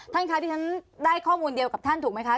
ท่านคะที่ฉันได้ข้อมูลเดียวกับท่านถูกไหมคะ